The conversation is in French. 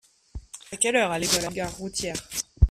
À quelle heure allez-vous à la gare routière ?